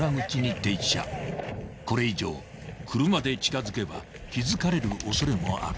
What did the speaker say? ［これ以上車で近づけば気付かれる恐れもある］